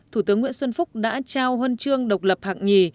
thủ tướng nguyễn xuân phúc đã trao huân chương độc lập hạng nhì